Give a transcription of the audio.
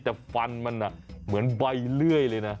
แต่ฟันมันเหมือนใบเลื่อยเลยนะ